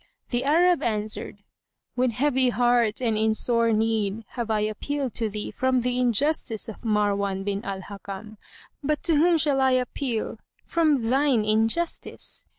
The Arab answered, "With heavy heart and in sore need have I appealed to thee from the injustice of Marwan bin al Hakam; but to whom shall I appeal from thine injustice?"